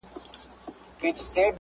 په ټولنيزو رسنيو کي